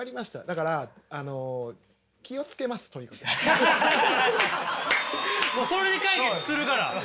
だからあのそれで解決するから。